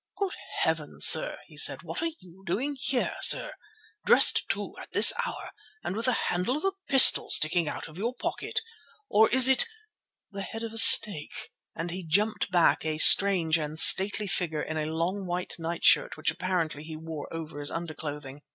"Good heavens, sir," he said, "what are you doing here, sir? Dressed too, at this hour, and with the handle of a pistol sticking out of your pocket—or is it—the head of a snake?" and he jumped back, a strange and stately figure in a long white nightshirt which apparently he wore over his underclothing.